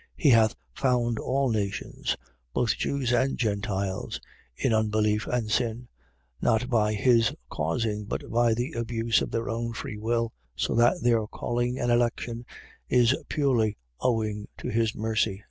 . .He hath found all nations, both Jews and Gentiles, in unbelief and sin; not by his causing, but by the abuse of their own free will; so that their calling and election is purely owing to his mercy.